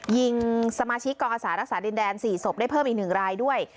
ยิงสมาชิกกองอาสารักษาดินแดน๔ศพได้เพิ่มอีก๑รายด้วย